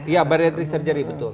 iya bariatrik surgery betul